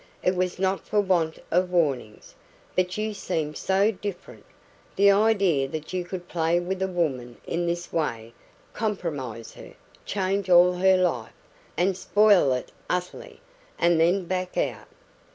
It was not for want of warnings. But you seemed so different! The idea that you could play with a woman in this way compromise her change all her life, and spoil it utterly and then back out!